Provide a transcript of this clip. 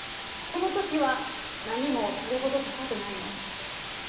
この時は波もそれほど高くないの。